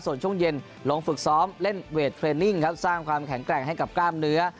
ส่วนช่วงเย็นลงฝึกซ้อมเล่นเวทเทรนนิ่งครับสร้างความแข็งแกร่งให้กับกล้ามเนื้อ